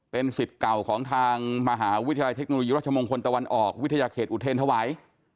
เป็นสิทธิ์เก่าของทางมหาวิทยาลัยเทคโนโลยีรัชมงคลตะวันออกวิทยาเขตอุเทรนธวาย